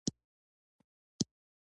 ایا زه باید لوړ بالښت وکاروم؟